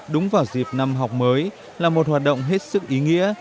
đúng vào dịp năm học mới là một hoạt động hết sức ý nghĩa